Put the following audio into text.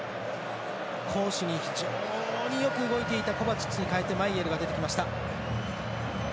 攻守に非常によく動いていたコバチッチに代えてマイエルが出てきました。